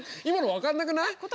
今の分かんなくない？